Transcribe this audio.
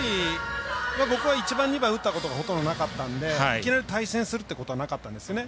僕は、１番、２番打ったことがほとんどなかったのでいきなり対戦というのはなかったんですね。